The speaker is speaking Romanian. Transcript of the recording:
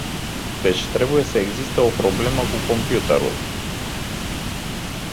Deci trebuie să existe o problemă cu computerul.